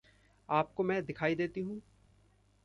आपको मैं दिखाई देती हूँ।